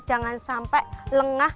jangan sampai lengah